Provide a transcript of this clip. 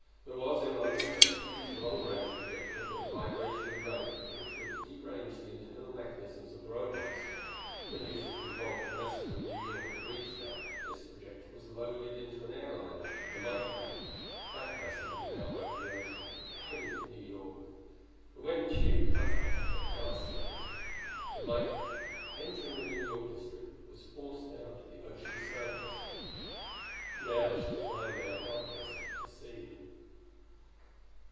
There was, in London, a huge long range projector with a vibratory ray which would derange the internal mechanisms of the Robots: when news of the revolt and massacre in New York had reached there, this projector was loaded into an airliner, the Micrad. That vessel was now over the ocean, headed for New York; but when Tugh cut off the power senders, the Micrad, entering the New York District, was forced down to the ocean surface. Now she was lying there helpless to proceed....